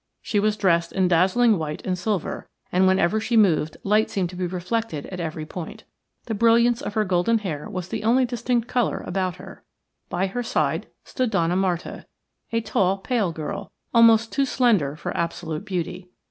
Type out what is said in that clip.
She was dressed in dazzling white and silver, and whenever she moved light seemed to be reflected at every point. The brilliance of her golden hair was the only distinct colour about her. By her side stood Donna Marta, a tall, pale girl, almost too slender for absolute beauty.